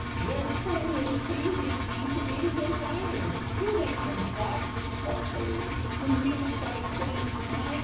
Your Sailor's teasing me to be his idol! Do make him stop (spitefully) When you've quite done with my doll!